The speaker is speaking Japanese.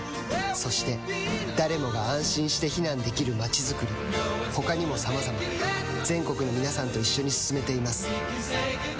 そして誰もが安心して避難できる街づくり他にもさまざま全国の皆さんと一緒に進めています